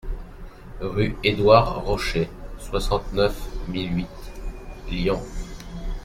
Rue Édouard Rochet, soixante-neuf mille huit Lyon